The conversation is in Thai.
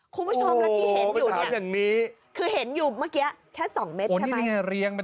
คุณผู้ชมแล้วที่เห็นอยู่คือเห็นอยู่เมื่อกี้แค่สองเม็ดใช่ไหม